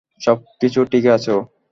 সবকিছু ঠিক আছো।